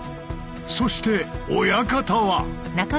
そして親方は。